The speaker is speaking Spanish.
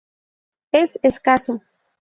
Es escaso.